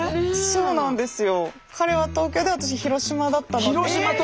そうなんですよ。